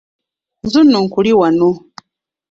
Nzuuno nkuli wano.